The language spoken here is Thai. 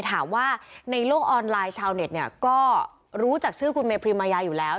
ถามว่าในโลกออนไลน์ชาวเน็ตเนี่ยก็รู้จักชื่อคุณเมพรีมายาอยู่แล้ว